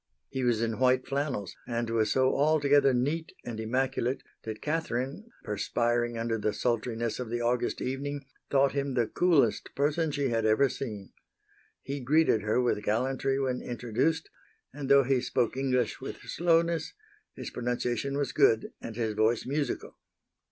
He was in white flannels and was so altogether neat and immaculate that Catherine, perspiring under the sultriness of the August evening, thought him the coolest person she had ever seen. He greeted her with gallantry when introduced, and, though he spoke English with slowness, his pronunciation was good and his voice musical.